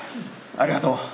ありがとう。